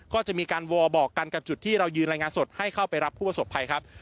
ก็จะมีการวอลบอกกันกับจุดที่เรายืนรายงานสดให้เข้าไปรับผู้ประสบภัยครับ